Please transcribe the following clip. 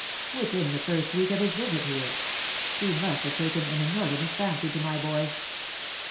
^^" Within the first week of this visit here. He must have taken an inordinate fancy to my boy."